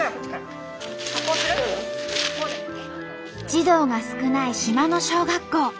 児童が少ない島の小学校。